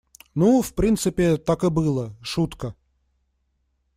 Ну, в принципе, так и было — шутка.